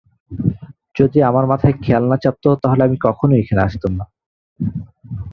যদি আমার মাথায় খেয়াল না চাপত, তাহলে আমি কখনই এখানে আসতাম না।